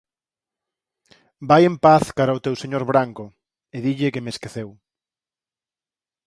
Vai en paz cara o teu Señor branco, e dille que me esqueceu.